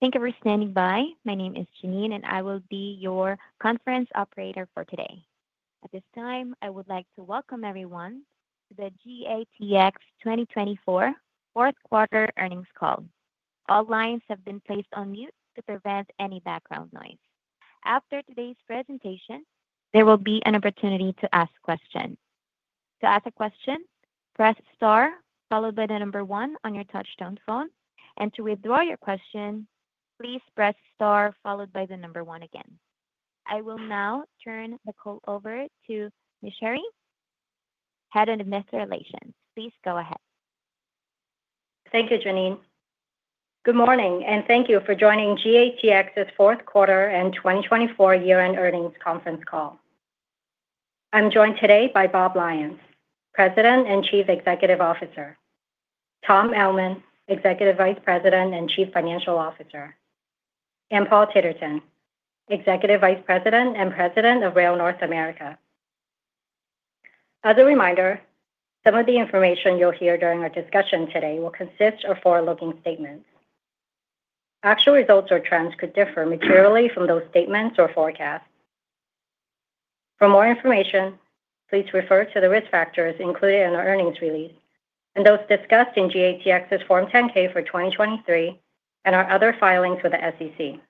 Thank you for standing by. My name is Janine, and I will be your conference operator for today. At this time, I would like to welcome everyone to the GATX 2024 Fourth Quarter Earnings Call. All lines have been placed on mute to prevent any background noise. After today's presentation, there will be an opportunity to ask questions. To ask a question, press star followed by the number one on your touchtone phone, and to withdraw your question, please press star followed by the number one again. I will now turn the call over to Ms. Shari, Head of Investor Relations. Please go ahead. Thank you, Janine. Good morning, and thank you for joining GATX's Fourth Quarter and 2024 Year-End Earnings Conference Call. I'm joined today by Bob Lyons, President and Chief Executive Officer, Tom Ellman, Executive Vice President and Chief Financial Officer, and Paul Titterton, Executive Vice President and President of Rail North America. As a reminder, some of the information you'll hear during our discussion today will consist of forward-looking statements. Actual results or trends could differ materially from those statements or forecasts. For more information, please refer to the risk factors included in our earnings release and those discussed in GATX's Form 10-K for 2023 and our other filings with the SEC.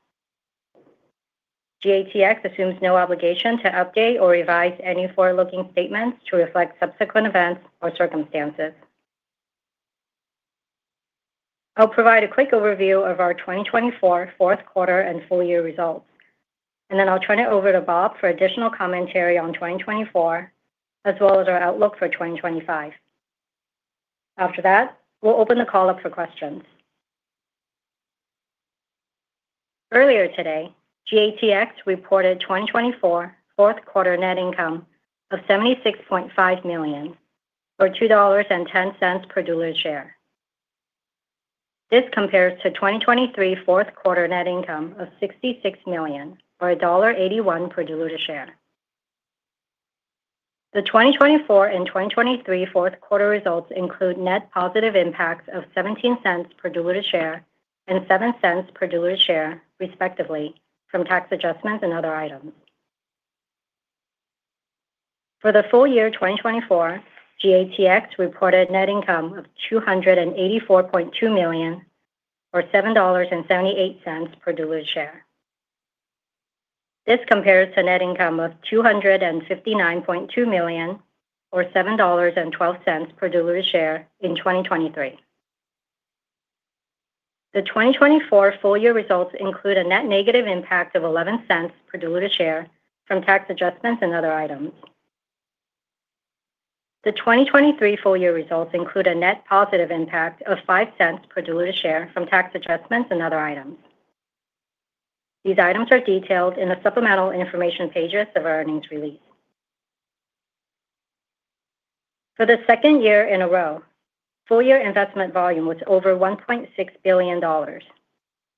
GATX assumes no obligation to update or revise any forward-looking statements to reflect subsequent events or circumstances. I'll provide a quick overview of our 2024 Fourth Quarter and full-year results, and then I'll turn it over to Bob for additional commentary on 2024, as well as our outlook for 2025. After that, we'll open the call up for questions. Earlier today, GATX reported 2024 Fourth Quarter net income of $76.5 million, or $2.10 per diluted share. This compares to 2023 Fourth Quarter net income of $66 million, or $1.81 per diluted share. The 2024 and 2023 Fourth Quarter results include net positive impacts of $0.17 per diluted share and $0.07 per diluted share, respectively, from tax adjustments and other items. For the full year 2024, GATX reported net income of $284.2 million, or $7.78 per diluted share. This compares to net income of $259.2 million, or $7.12 per diluted share in 2023. The 2024 full-year results include a net negative impact of $0.11 per diluted share from tax adjustments and other items. The 2023 full-year results include a net positive impact of $0.05 per diluted share from tax adjustments and other items. These items are detailed in the supplemental information pages of our earnings release. For the second year in a row, full-year investment volume was over $1.6 billion,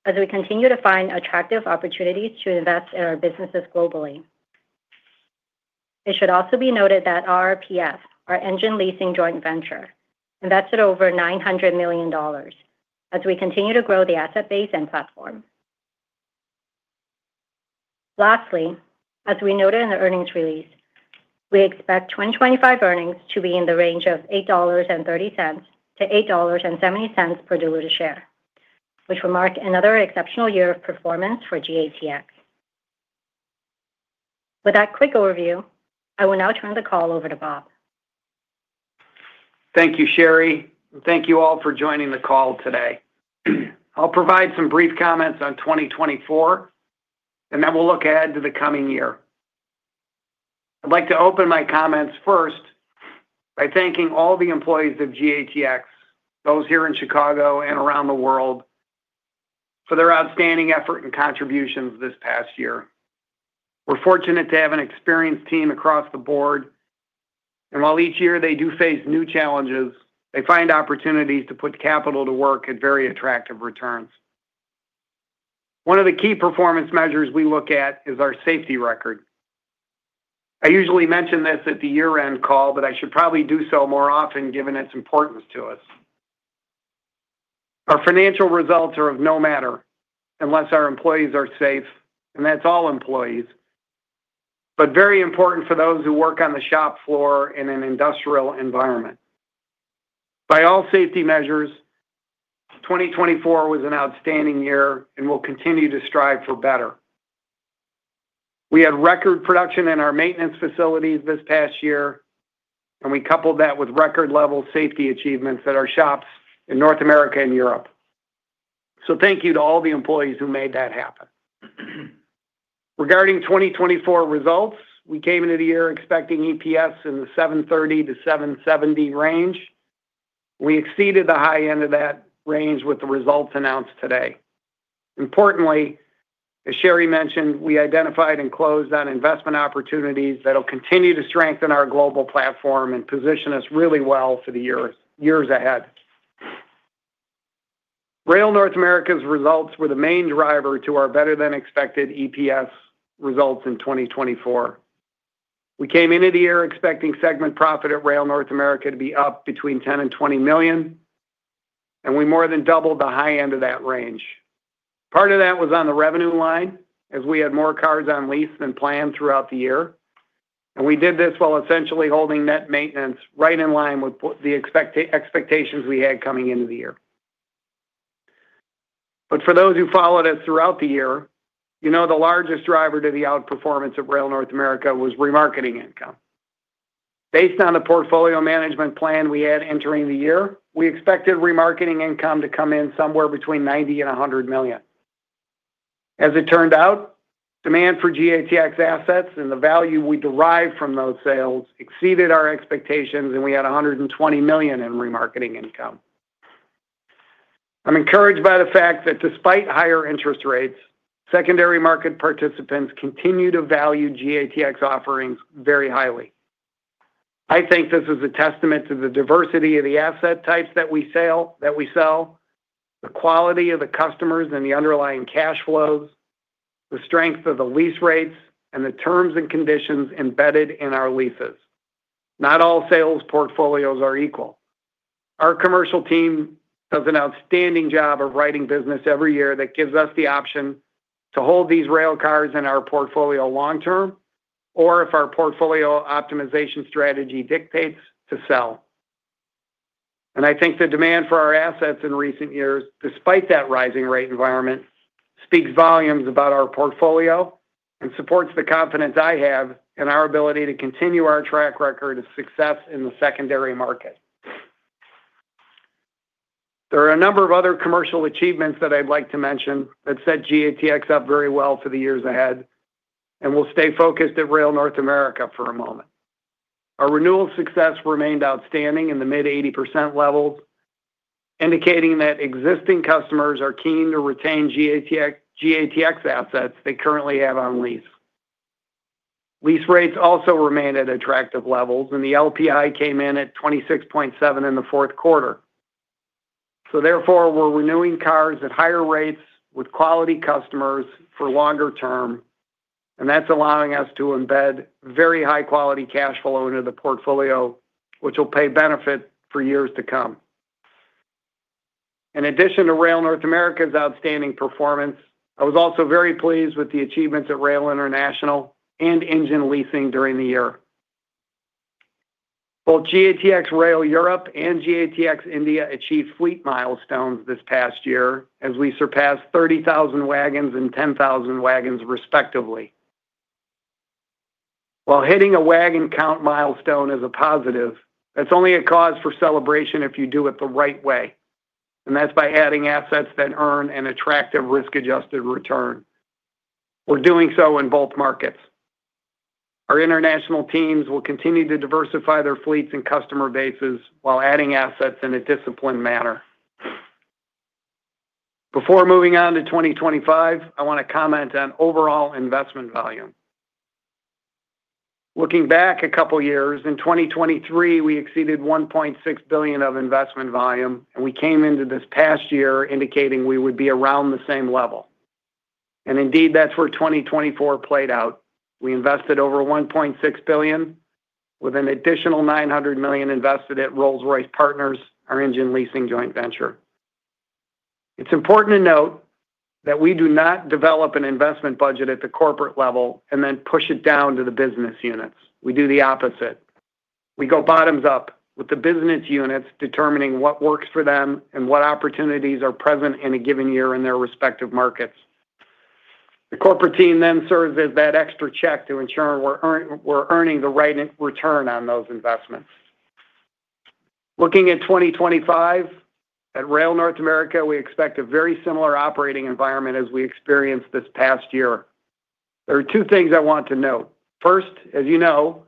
as we continue to find attractive opportunities to invest in our businesses globally. It should also be noted that RRPF, our Engine Leasing Joint Venture, invested over $900 million, as we continue to grow the asset base and platform. Lastly, as we noted in the earnings release, we expect 2025 earnings to be in the range of $8.30-$8.70 per diluted share, which will mark another exceptional year of performance for GATX. With that quick overview, I will now turn the call over to Bob. Thank you, Shari. Thank you all for joining the call today. I'll provide some brief comments on 2024, and then we'll look ahead to the coming year. I'd like to open my comments first by thanking all the employees of GATX, those here in Chicago and around the world, for their outstanding effort and contributions this past year. We're fortunate to have an experienced team across the board, and while each year they do face new challenges, they find opportunities to put capital to work at very attractive returns. One of the key performance measures we look at is our safety record. I usually mention this at the year-end call, but I should probably do so more often given its importance to us. Our financial results are of no matter unless our employees are safe, and that's all employees, but very important for those who work on the shop floor in an industrial environment. By all safety measures, 2024 was an outstanding year and will continue to strive for better. We had record production in our maintenance facilities this past year, and we coupled that with record-level safety achievements at our shops in North America and Europe. So thank you to all the employees who made that happen. Regarding 2024 results, we came into the year expecting EPS in the $7.30-$7.70 range. We exceeded the high end of that range with the results announced today. Importantly, as Shari mentioned, we identified and closed on investment opportunities that will continue to strengthen our global platform and position us really well for the years ahead. Rail North America's results were the main driver to our better-than-expected EPS results in 2024. We came into the year expecting segment profit at Rail North America to be up between $10 and $20 million, and we more than doubled the high end of that range. Part of that was on the revenue line, as we had more cars on lease than planned throughout the year, and we did this while essentially holding net maintenance right in line with the expectations we had coming into the year. But for those who followed us throughout the year, you know the largest driver to the outperformance of Rail North America was remarketing income. Based on the portfolio management plan we had entering the year, we expected remarketing income to come in somewhere between $90 and $100 million. As it turned out, demand for GATX assets and the value we derived from those sales exceeded our expectations, and we had $120 million in remarketing income. I'm encouraged by the fact that despite higher interest rates, secondary market participants continue to value GATX offerings very highly. I think this is a testament to the diversity of the asset types that we sell, the quality of the customers and the underlying cash flows, the strength of the lease rates, and the terms and conditions embedded in our leases. Not all sales portfolios are equal. Our commercial team does an outstanding job of writing business every year that gives us the option to hold these Rail cars in our portfolio long-term or, if our portfolio optimization strategy dictates, to sell. And I think the demand for our assets in recent years, despite that rising rate environment, speaks volumes about our portfolio and supports the confidence I have in our ability to continue our track record of success in the secondary market. There are a number of other commercial achievements that I'd like to mention that set GATX up very well for the years ahead, and we'll stay focused at Rail North America for a moment. Our renewal success remained outstanding in the mid-80% levels, indicating that existing customers are keen to retain GATX assets they currently have on lease. Lease rates also remained at attractive levels, and the LPI came in at 26.7 in the fourth quarter. So therefore, we're renewing cars at higher rates with quality customers for longer term, and that's allowing us to embed very high-quality cash flow into the portfolio, which will pay benefit for years to come. In addition to Rail North America's outstanding performance, I was also very pleased with the achievements at Rail International and Engine Leasing during the year. Both GATX Rail Europe and GATX India achieved fleet milestones this past year as we surpassed 30,000 wagons and 10,000 wagons, respectively. While hitting a wagon count milestone is a positive, that's only a cause for celebration if you do it the right way, and that's by adding assets that earn an attractive risk-adjusted return. We're doing so in both markets. Our international teams will continue to diversify their fleets and customer bases while adding assets in a disciplined manner. Before moving on to 2025, I want to comment on overall investment volume. Looking back a couple of years, in 2023, we exceeded $1.6 billion of investment volume, and we came into this past year indicating we would be around the same level. And indeed, that's where 2024 played out. We invested over $1.6 billion, with an additional $900 million invested at Rolls-Royce Partners, our Engine Leasing Joint Venture. It's important to note that we do not develop an investment budget at the corporate level and then push it down to the business units. We do the opposite. We go bottoms up, with the business units determining what works for them and what opportunities are present in a given year in their respective markets. The corporate team then serves as that extra check to ensure we're earning the right return on those investments. Looking at 2025, at Rail North America, we expect a very similar operating environment as we experienced this past year. There are two things I want to note. First, as you know,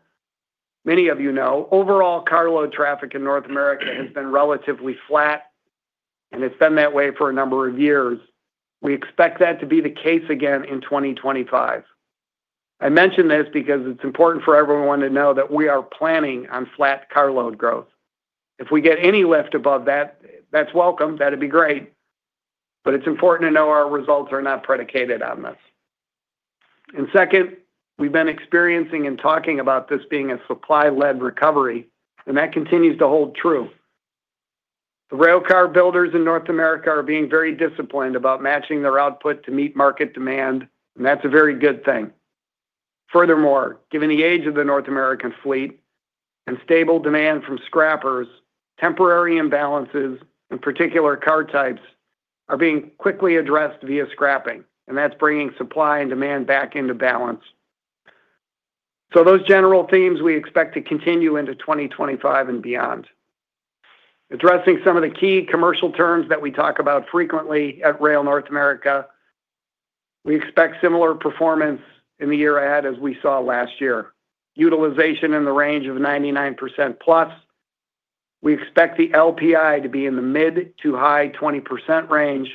many of you know, overall carload traffic in North America has been relatively flat, and it's been that way for a number of years. We expect that to be the case again in 2025. I mention this because it's important for everyone to know that we are planning on flat carload growth. If we get any lift above that, that's welcome. That'd be great. But it's important to know our results are not predicated on this. And second, we've been experiencing and talking about this being a supply-led recovery, and that continues to hold true. The railcar builders in North America are being very disciplined about matching their output to meet market demand, and that's a very good thing. Furthermore, given the age of the North American fleet and stable demand from scrappers, temporary imbalances, and particular car types are being quickly addressed via scrapping, and that's bringing supply and demand back into balance. So those general themes we expect to continue into 2025 and beyond. Addressing some of the key commercial terms that we talk about frequently at Rail North America, we expect similar performance in the year ahead as we saw last year. Utilization in the range of 99% plus. We expect the LPI to be in the mid- to high-20% range,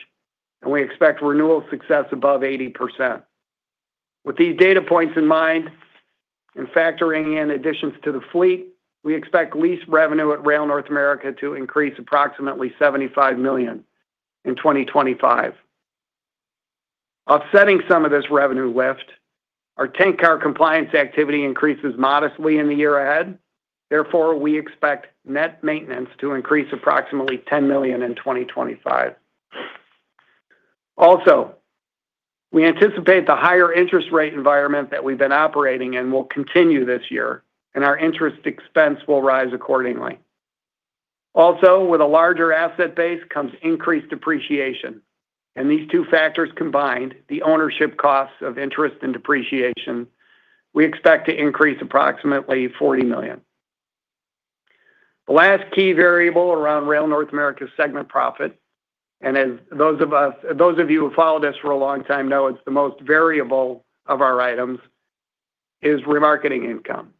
and we expect renewal success above 80%. With these data points in mind and factoring in additions to the fleet, we expect lease revenue at Rail North America to increase approximately $75 million in 2025. Offsetting some of this revenue lift, our tank car compliance activity increases modestly in the year ahead. Therefore, we expect net maintenance to increase approximately $10 million in 2025. Also, we anticipate the higher interest rate environment that we've been operating in will continue this year, and our interest expense will rise accordingly. Also, with a larger asset base comes increased depreciation, and these two factors combined, the ownership costs of interest and depreciation, we expect to increase approximately $40 million. The last key variable around Rail North America's segment profit, and as those of you who followed us for a long time know, it is the most variable of our items, is remarketing income.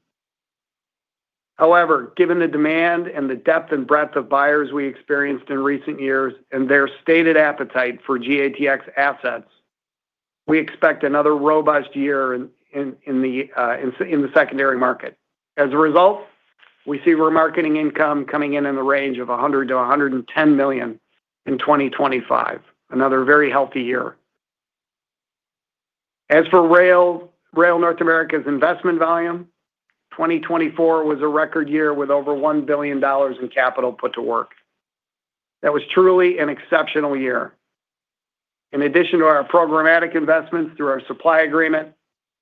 However, given the demand and the depth and breadth of buyers we experienced in recent years and their stated appetite for GATX assets, we expect another robust year in the secondary market. As a result, we see remarketing income coming in in the range of $100-$110 million in 2025, another very healthy year. As for Rail North America's investment volume, 2024 was a record year with over $1 billion in capital put to work. That was truly an exceptional year. In addition to our programmatic investments through our supply agreement,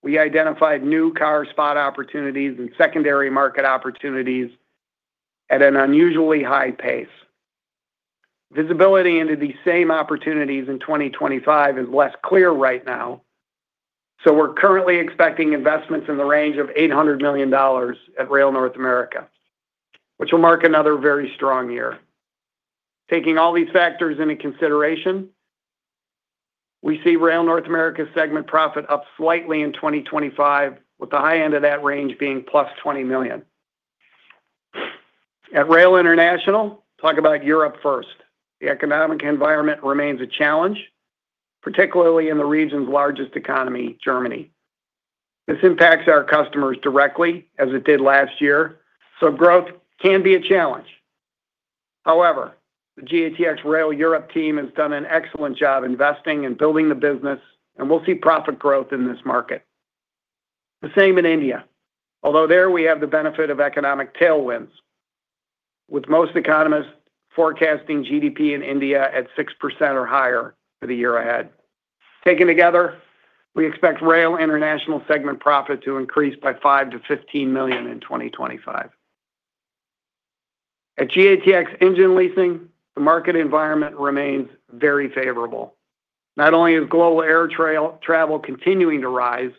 we identified new car spot opportunities and secondary market opportunities at an unusually high pace. Visibility into these same opportunities in 2025 is less clear right now, so we're currently expecting investments in the range of $800 million at Rail North America, which will mark another very strong year. Taking all these factors into consideration, we see Rail North America's segment profit up slightly in 2025, with the high end of that range being plus $20 million. At Rail International, talk about Europe first. The economic environment remains a challenge, particularly in the region's largest economy, Germany. This impacts our customers directly, as it did last year, so growth can be a challenge. However, the GATX Rail Europe team has done an excellent job investing and building the business, and we'll see profit growth in this market. The same in India, although there we have the benefit of economic tailwinds, with most economists forecasting GDP in India at 6% or higher for the year ahead. Taken together, we expect Rail International segment profit to increase by $5-$15 million in 2025. At GATX Engine Leasing, the market environment remains very favorable. Not only is global air travel continuing to rise,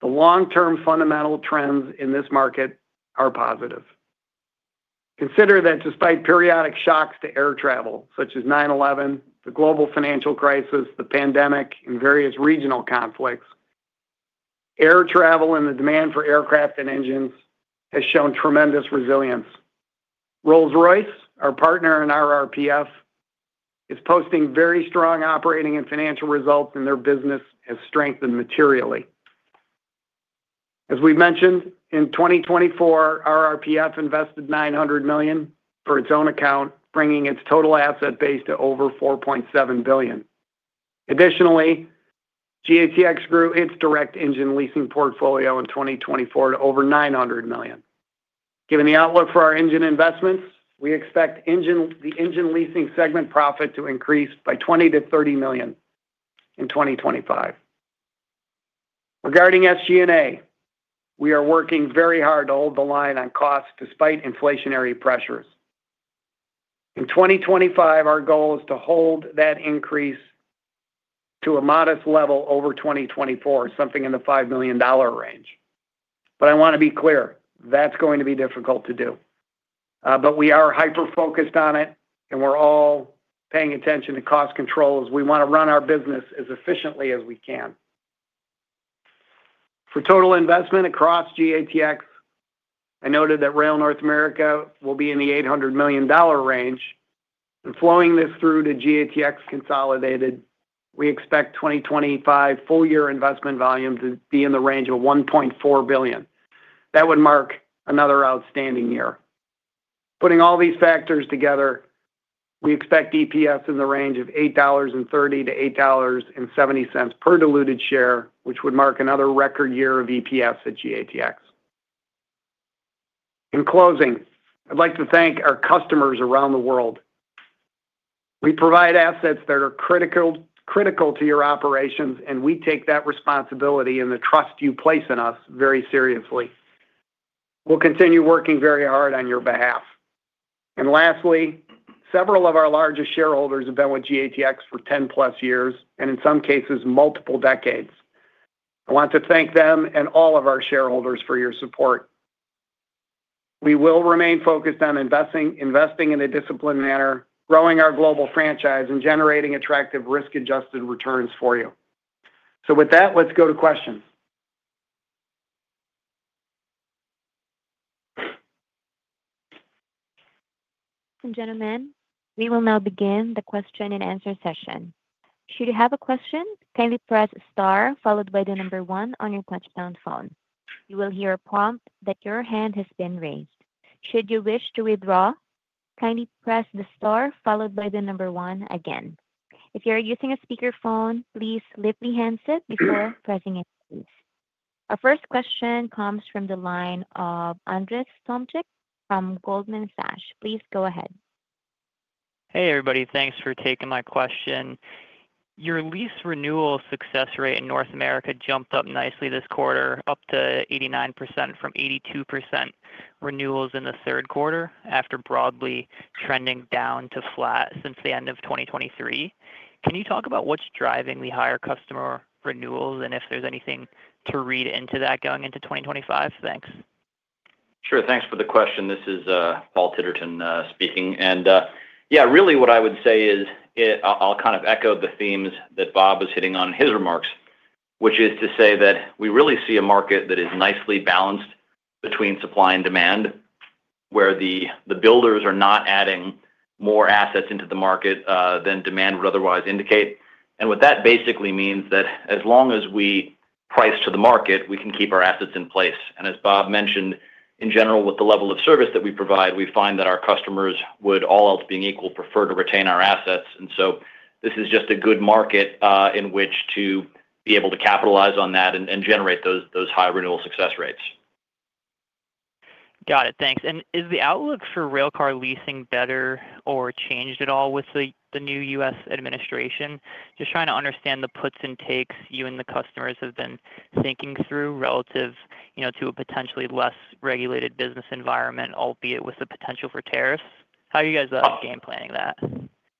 the long-term fundamental trends in this market are positive. Consider that despite periodic shocks to air travel, such as 9/11, the global financial crisis, the pandemic, and various regional conflicts, air travel and the demand for aircraft and engines has shown tremendous resilience. Rolls-Royce, our partner in RRPF, is posting very strong operating and financial results, and their business has strengthened materially. As we've mentioned, in 2024, RRPF invested $900 million for its own account, bringing its total asset base to over $4.7 billion. Additionally, GATX grew its direct engine leasing portfolio in 2024 to over $900 million. Given the outlook for our engine investments, we expect the engine leasing segment profit to increase by $20-$30 million in 2025. Regarding SG&A, we are working very hard to hold the line on costs despite inflationary pressures. In 2025, our goal is to hold that increase to a modest level over 2024, something in the $5 million range. But I want to be clear, that's going to be difficult to do. But we are hyper-focused on it, and we're all paying attention to cost control as we want to run our business as efficiently as we can. For total investment across GATX, I noted that Rail North America will be in the $800 million range. And flowing this through to GATX consolidated, we expect 2025 full-year investment volume to be in the range of $1.4 billion. That would mark another outstanding year. Putting all these factors together, we expect EPS in the range of $8.30-$8.70 per diluted share, which would mark another record year of EPS at GATX. In closing, I'd like to thank our customers around the world. We provide assets that are critical to your operations, and we take that responsibility and the trust you place in us very seriously. We'll continue working very hard on your behalf. And lastly, several of our largest shareholders have been with GATX for 10-plus years, and in some cases, multiple decades. I want to thank them and all of our shareholders for your support. We will remain focused on investing in a disciplined manner, growing our global franchise, and generating attractive risk-adjusted returns for you. So with that, let's go to questions. Gentlemen, we will now begin the question-and-answer session. Should you have a question, kindly press star followed by the number one on your touch-tone phone. You will hear a prompt that your hand has been raised. Should you wish to withdraw, kindly press the star followed by the number one again. If you're using a speakerphone, please lift the handset before pressing it, please. Our first question comes from the line of Andrzej Tomczyk from Goldman Sachs. Please go ahead. Hey, everybody. Thanks for taking my question. Your lease renewal success rate in North America jumped up nicely this quarter, up to 89% from 82% renewals in the third quarter after broadly trending down to flat since the end of 2023. Can you talk about what's driving the higher customer renewals and if there's anything to read into that going into 2025? Thanks. Sure. Thanks for the question. This is Paul Titterton speaking, and yeah, really what I would say is I'll kind of echo the themes that Bob is hitting on in his remarks, which is to say that we really see a market that is nicely balanced between supply and demand, where the builders are not adding more assets into the market than demand would otherwise indicate, and what that basically means is that as long as we price to the market, we can keep our assets in place. And as Bob mentioned, in general, with the level of service that we provide, we find that our customers, with all else being equal, prefer to retain our assets, and so this is just a good market in which to be able to capitalize on that and generate those high renewal success rates. Got it. Thanks. And is the outlook for railcar leasing better or changed at all with the new U.S. administration? Just trying to understand the puts and takes you and the customers have been thinking through relative to a potentially less regulated business environment, albeit with the potential for tariffs. How are you guys game planning that?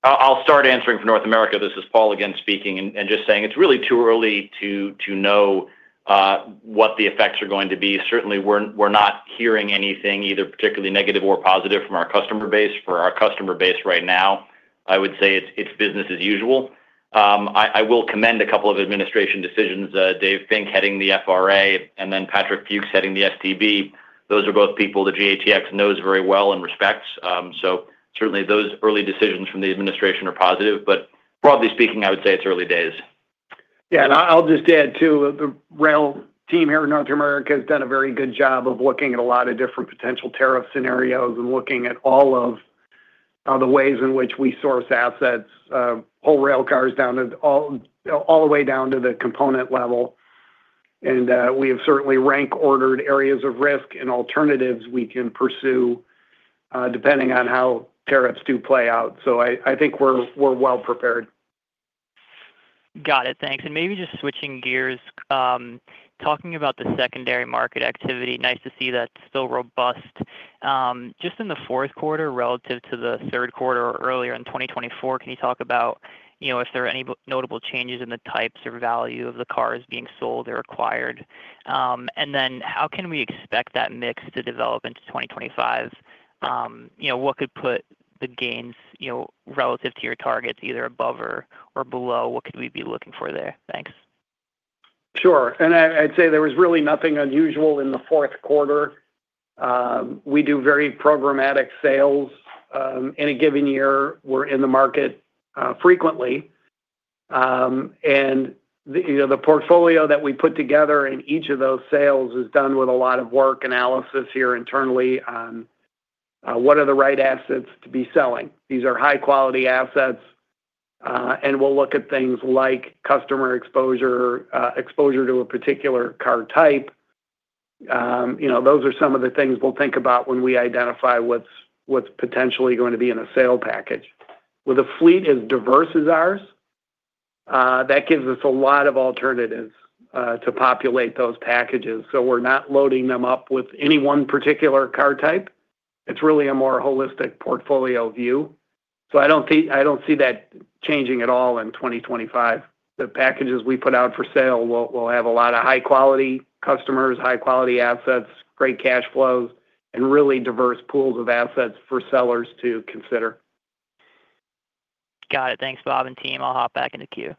I'll start answering for North America. This is Paul again speaking and just saying it's really too early to know what the effects are going to be. Certainly, we're not hearing anything either particularly negative or positive from our customer base. For our customer base right now, I would say it's business as usual. I will commend a couple of administration decisions. Dave Fink heading the FRA and then Patrick Fuchs heading the STB. Those are both people that GATX knows very well and respects. So certainly, those early decisions from the administration are positive. But broadly speaking, I would say it's early days. Yeah. And I'll just add too, the Rail team here in North America has done a very good job of looking at a lot of different potential tariff scenarios and looking at all of the ways in which we source assets, whole railcars down to all the way down to the component level. And we have certainly rank-ordered areas of risk and alternatives we can pursue depending on how tariffs do play out. So I think we're well prepared. Got it. Thanks. And maybe just switching gears, talking about the secondary market activity, nice to see that's still robust. Just in the fourth quarter relative to the third quarter earlier in 2024, can you talk about if there are any notable changes in the types or value of the cars being sold or acquired? And then how can we expect that mix to develop into 2025? What could put the gains relative to your targets either above or below? What could we be looking for there? Thanks. Sure. And I'd say there was really nothing unusual in the fourth quarter. We do very programmatic sales in a given year. We're in the market frequently. And the portfolio that we put together in each of those sales is done with a lot of work analysis here internally on what are the right assets to be selling. These are high-quality assets. And we'll look at things like customer exposure to a particular car type. Those are some of the things we'll think about when we identify what's potentially going to be in a sale package. With a fleet as diverse as ours, that gives us a lot of alternatives to populate those packages. So we're not loading them up with any one particular car type. It's really a more holistic portfolio view. So I don't see that changing at all in 2025. The packages we put out for sale will have a lot of high-quality customers, high-quality assets, great cash flows, and really diverse pools of assets for sellers to consider. Got it. Thanks, Bob and team. I'll hop back into queue.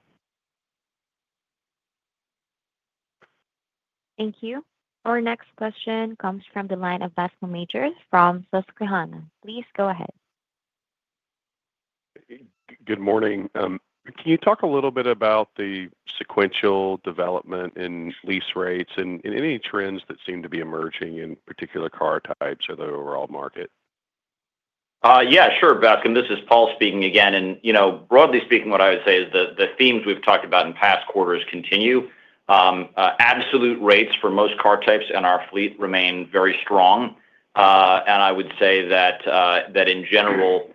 Thank you. Our next question comes from the line of Bascome Majors from Susquehanna. Please go ahead. Good morning. Can you talk a little bit about the sequential development in lease rates and any trends that seem to be emerging in particular car types or the overall market? Yeah. Sure, Bascome. This is Paul speaking again. And broadly speaking, what I would say is the themes we've talked about in past quarters continue. Absolute rates for most car types in our fleet remain very strong. And I would say that in general,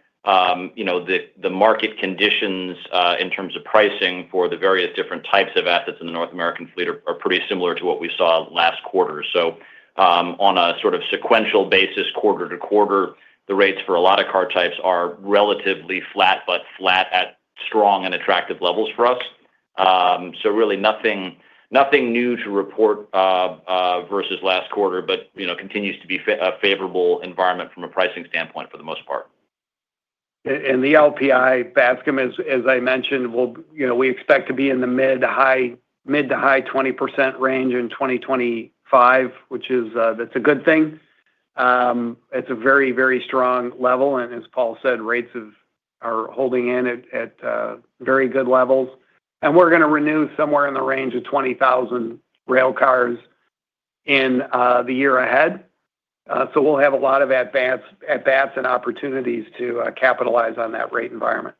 the market conditions in terms of pricing for the various different types of assets in the North American fleet are pretty similar to what we saw last quarter. So on a sort of sequential basis, quarter to quarter, the rates for a lot of car types are relatively flat, but flat at strong and attractive levels for us. So really nothing new to report versus last quarter, but continues to be a favorable environment from a pricing standpoint for the most part. And the LPI, Bascome, as I mentioned, we expect to be in the mid- to high 20% range in 2025, which is a good thing. It's a very, very strong level. And as Paul said, rates are holding in at very good levels. And we're going to renew somewhere in the range of 20,000 railcars in the year ahead. So we'll have a lot of advance and opportunities to capitalize on that rate environment.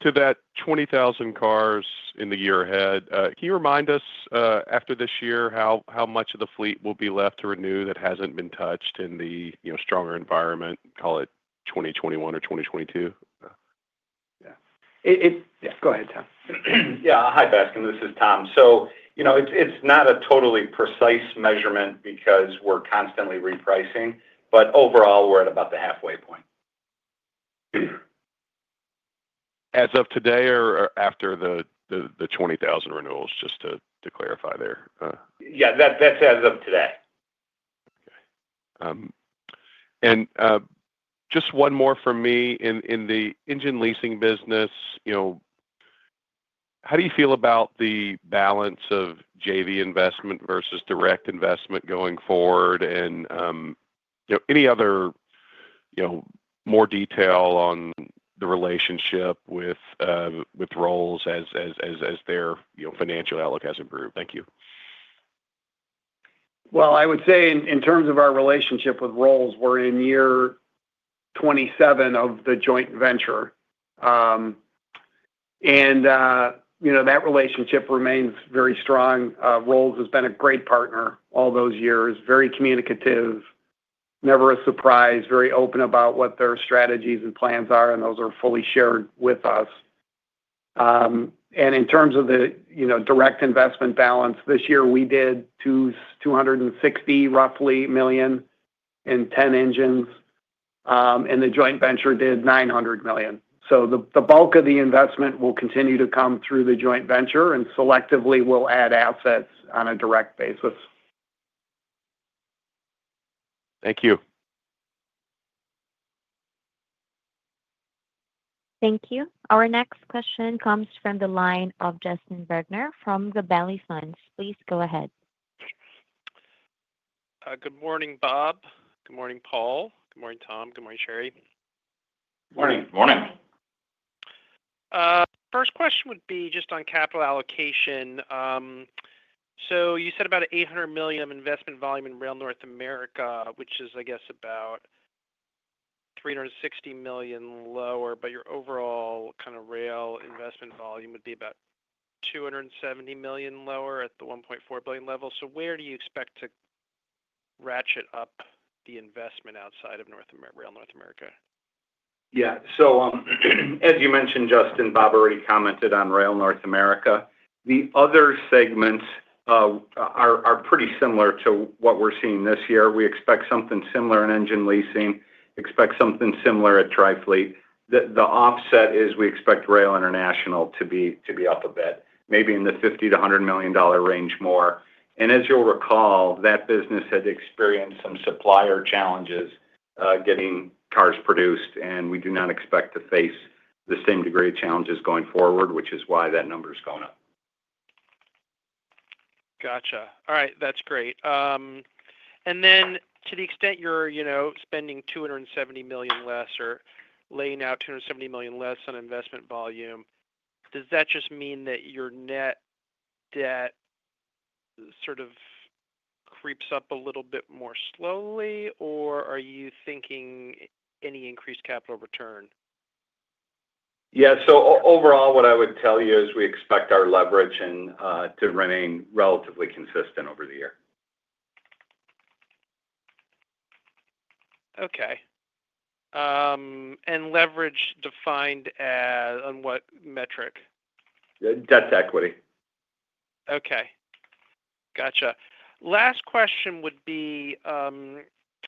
To that 20,000 cars in the year ahead, can you remind us after this year how much of the fleet will be left to renew that hasn't been touched in the stronger environment, call it 2021 or 2022? Yeah. Go ahead, Tom. Yeah. Hi, Bascome. This is Tom. So it's not a totally precise measurement because we're constantly repricing, but overall, we're at about the halfway point. As of today or after the 20,000 renewals, just to clarify there? Yeah. That's as of today. Okay. And just one more from me in the engine leasing business. How do you feel about the balance of JV investment versus direct investment going forward? And any other more detail on the relationship with Rolls as their financial outlook has improved? Thank you. I would say in terms of our relationship with Rolls, we're in year 27 of the joint venture. That relationship remains very strong. Rolls has been a great partner all those years, very communicative, never a surprise, very open about what their strategies and plans are, and those are fully shared with us. In terms of the direct investment balance, this year we did roughly $260 million in 10 engines, and the joint venture did $900 million. The bulk of the investment will continue to come through the joint venture, and selectively, we'll add assets on a direct basis. Thank you. Thank you. Our next question comes from the line of Justin Bergner from the Gabelli Funds. Please go ahead. Good morning, Bob. Good morning, Paul. Good morning, Tom. Good morning, Shari. Morning. First question would be just on capital allocation. So you said about $800 million of investment volume in Rail North America, which is, I guess, about $360 million lower, but your overall kind of Rail investment volume would be about $270 million lower at the $1.4 billion level. So where do you expect to ratchet up the investment outside of Rail North America? Yeah. So as you mentioned, Justin, Bob already commented on Rail North America. The other segments are pretty similar to what we're seeing this year. We expect something similar in engine leasing, expect something similar at Trifleet. The offset is we expect Rail International to be up a bit, maybe in the $50-$100 million range more. And as you'll recall, that business had experienced some supplier challenges getting cars produced, and we do not expect to face the same degree of challenges going forward, which is why that number's gone up. Gotcha. All right. That's great. And then to the extent you're spending $270 million less or laying out $270 million less on investment volume, does that just mean that your net debt sort of creeps up a little bit more slowly, or are you thinking any increased capital return? Yeah. So overall, what I would tell you is we expect our leverage to remain relatively consistent over the year. Okay, and leverage defined on what metric? Debt to equity. Okay. Gotcha. Last question would be, I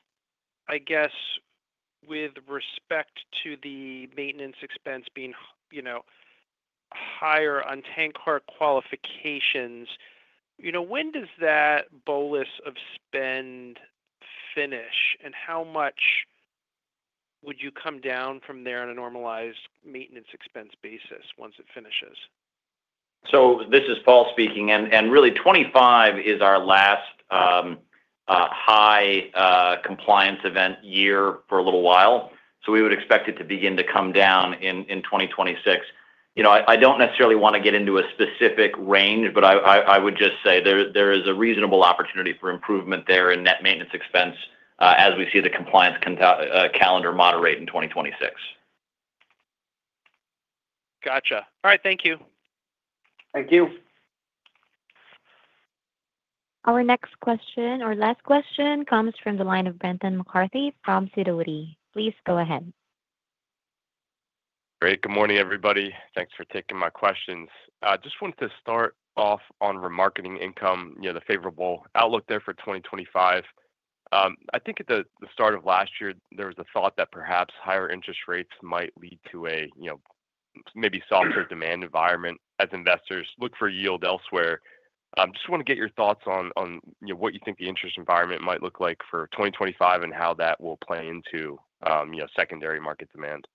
guess, with respect to the maintenance expense being higher on tank car qualifications, when does that bolus of spend finish? And how much would you come down from there on a normalized maintenance expense basis once it finishes? This is Paul speaking. Really, 2025 is our last high compliance event year for a little while. We would expect it to begin to come down in 2026. I don't necessarily want to get into a specific range, but I would just say there is a reasonable opportunity for improvement there in net maintenance expense as we see the compliance calendar moderate in 2026. Gotcha. All right. Thank you. Thank you. Our next question or last question comes from the line of Brendan McCarthy from Sidoti & Company. Please go ahead. Great. Good morning, everybody. Thanks for taking my questions. Just wanted to start off on remarketing income, the favorable outlook there for 2025. I think at the start of last year, there was a thought that perhaps higher interest rates might lead to a maybe softer demand environment as investors look for yield elsewhere. Just want to get your thoughts on what you think the interest environment might look like for 2025 and how that will play into secondary market demand.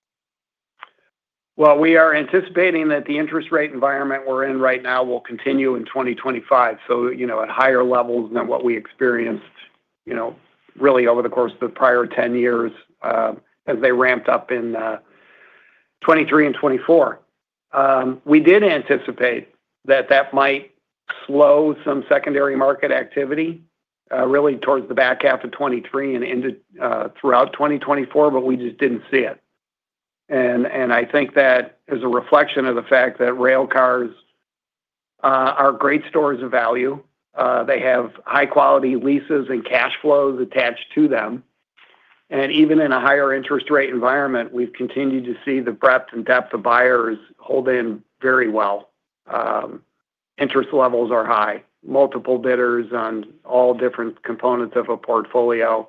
Well, we are anticipating that the interest rate environment we're in right now will continue in 2025, so at higher levels than what we experienced really over the course of the prior 10 years as they ramped up in 2023 and 2024. We did anticipate that that might slow some secondary market activity really towards the back half of 2023 and throughout 2024, but we just didn't see it. And I think that is a reflection of the fact that railcars are great stores of value. They have high-quality leases and cash flows attached to them. And even in a higher interest rate environment, we've continued to see the breadth and depth of buyers hold in very well. Interest levels are high, multiple bidders on all different components of a portfolio,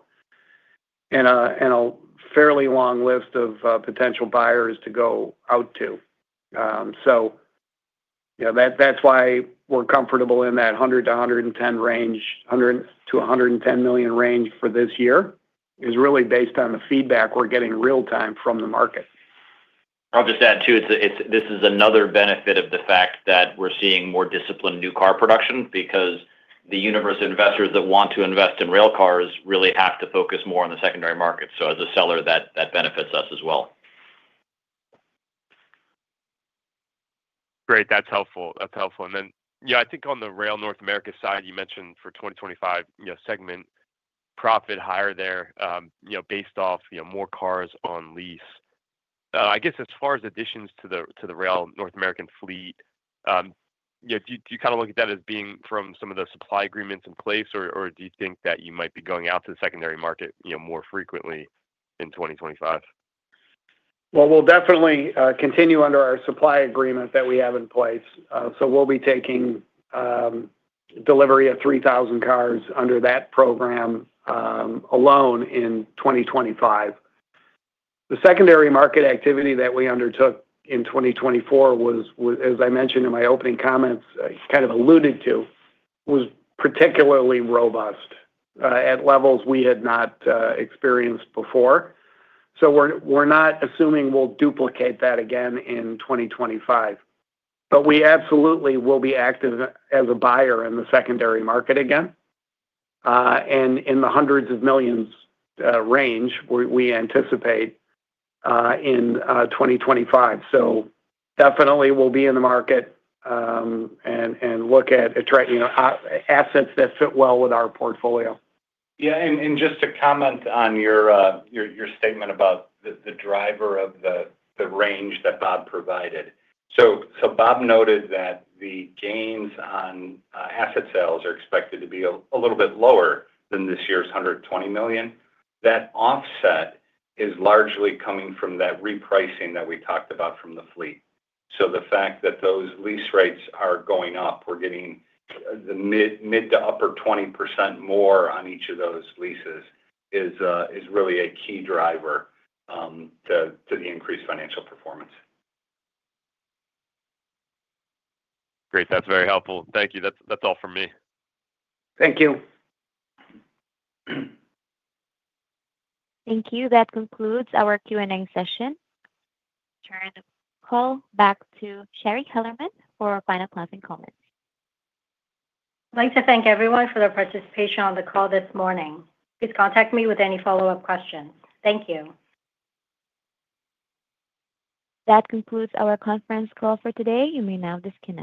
and a fairly long list of potential buyers to go out to. So that's why we're comfortable in that $100 million-$110 million range for this year is really based on the feedback we're getting real-time from the market. I'll just add too, this is another benefit of the fact that we're seeing more disciplined new car production because the universe of investors that want to invest in railcars really have to focus more on the secondary market. So as a seller, that benefits us as well. Great. That's helpful. That's helpful. And then, yeah, I think on the Rail North America side, you mentioned for 2025 segment profit higher there based off more cars on lease. I guess as far as additions to the Rail North American fleet, do you kind of look at that as being from some of the supply agreements in place, or do you think that you might be going out to the secondary market more frequently in 2025? Well, we'll definitely continue under our supply agreement that we have in place. So we'll be taking delivery of 3,000 cars under that program alone in 2025. The secondary market activity that we undertook in 2024 was, as I mentioned in my opening comments, kind of alluded to, was particularly robust at levels we had not experienced before. So we're not assuming we'll duplicate that again in 2025. But we absolutely will be active as a buyer in the secondary market again. And in the hundreds of millions range, we anticipate in 2025. So definitely, we'll be in the market and look at assets that fit well with our portfolio. Yeah. And just to comment on your statement about the driver of the range that Bob provided. So Bob noted that the gains on asset sales are expected to be a little bit lower than this year's $120 million. That offset is largely coming from that repricing that we talked about from the fleet. So the fact that those lease rates are going up, we're getting the mid- to upper-20% more on each of those leases is really a key driver to the increased financial performance. Great. That's very helpful. Thank you. That's all from me. Thank you. Thank you. That concludes our Q&A session. Turn the call back to Shari Hellerman for final closing comments. I'd like to thank everyone for their participation on the call this morning. Please contact me with any follow-up questions. Thank you. That concludes our conference call for today. You may now disconnect.